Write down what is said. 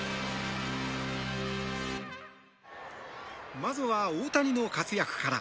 まずは大谷の活躍から。